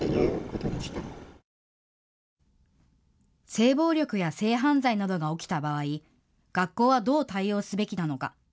性暴力や性犯罪などが起きた場合、学校はどう対応すべきなのか。